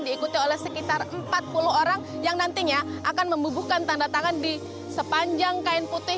diikuti oleh sekitar empat puluh orang yang nantinya akan membubuhkan tanda tangan di sepanjang kain putih